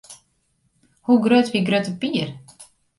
Hoe grut wie Grutte Pier?